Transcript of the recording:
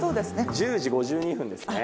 １０時５２分ですね。